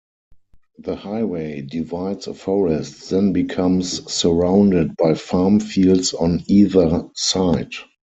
The highway divides a forest, then becomes surrounded by farm fields on either side.